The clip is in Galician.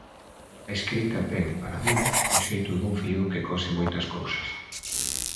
A escrita ten, para min, o xeito dun fío que cose moitas cousas.